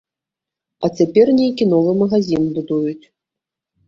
А цяпер нейкі новы магазін будуюць.